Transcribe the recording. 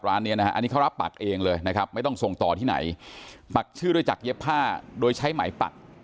ร้านนี้นะฮะอันนี้เขารับปักเองเลยนะครับไม่ต้องส่งต่อที่ไหนปักชื่อด้วยจากเย็บผ้าโดยใช้ไหมปัก